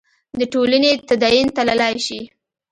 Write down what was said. د ټولنې تدین تللای شي.